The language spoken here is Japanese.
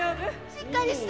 しっかりして。